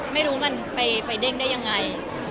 ไม่รู้มันไปเด้งได้ยังไง